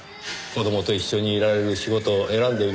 子供と一緒にいられる仕事を選んでいるのでしょう。